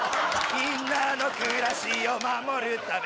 みんなの暮らしを守るため